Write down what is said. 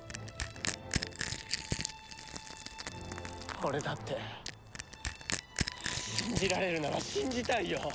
俺だって信じられるなら信じたいよ！